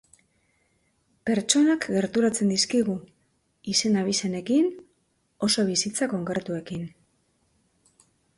Pertsonak gerturatzen dizkigu, izen-abizenekin, oso bizitza konkretuekin.